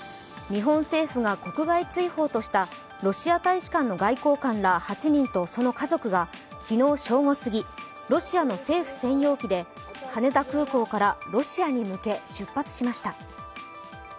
日本政府が国外追放としたロシア大使館の外交官ら８人とその家族が昨日正午過ぎロシアの政府専用機で羽田空港からロシアに向け出発しました。